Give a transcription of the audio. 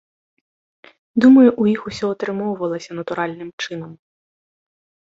Думаю, у іх усё атрымоўвалася натуральным чынам.